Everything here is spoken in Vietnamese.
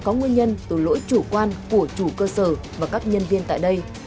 có nguyên nhân từ lỗi chủ quan của chủ cơ sở và các nhân viên tại đây